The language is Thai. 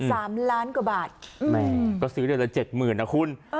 สามล้านกว่าบาทแหมก็ซื้อเดือนละเจ็ดหมื่นนะคุณ